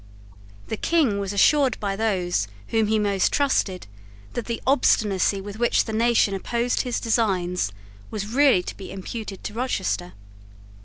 The King was assured by those whom he most trusted that the obstinacy with which the nation opposed his designs was really to be imputed to Rochester.